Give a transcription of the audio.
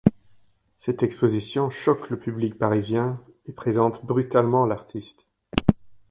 Cette exposition choque le public parisien et présente brutalement l'artiste.